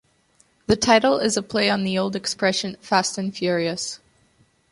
The title is a play on the old expression "fast and furious".